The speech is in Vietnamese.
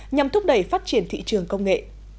nhằm thúc đẩy phát triển thị trường công nghệ